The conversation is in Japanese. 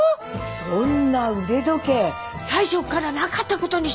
そんな腕時計最初からなかった事にしちゃいなさいよ！